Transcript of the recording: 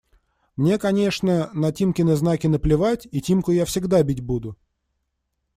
Мне, конечно, на Тимкины знаки наплевать, и Тимку я всегда бить буду…